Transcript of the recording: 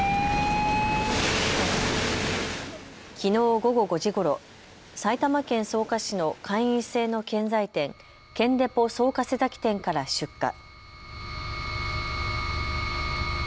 きのう午後５時ごろ、埼玉県草加市の会員制の建材店、建デポ草加瀬崎店から出火。